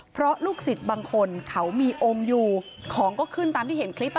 เพราะลูกศิษย์บางคนเขามีอมอยู่ของก็ขึ้นตามที่เห็นคลิป